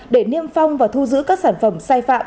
để niêm phong và thu giữ các sản phẩm sai phạm